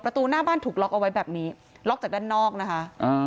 ประตูหน้าบ้านถูกล็อกเอาไว้แบบนี้ล็อกจากด้านนอกนะคะ